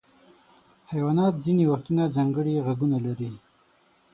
حیوانات ځینې وختونه ځانګړي غوږونه لري.